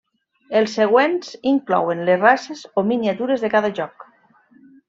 Els següents inclouen les races o miniatures de cada joc.